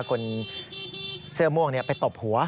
คนเสื้อม่วงเนี่ยไปตบหัว